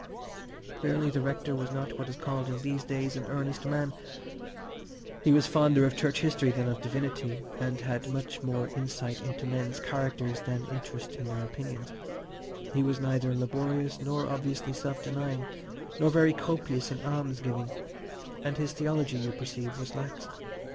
Clearly the rector was not what is called in these days an "earnest" man: he was fonder of church history than of divinity, and had much more insight into men's characters than interest in their opinions; he was neither laborious, nor obviously self denying, nor very copious in alms giving, and his theology, you perceive, was lax.